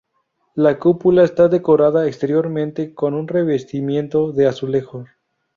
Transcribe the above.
La cúpula está decorada exteriormente con un revestimiento de azulejos.